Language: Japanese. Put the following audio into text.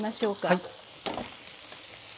はい。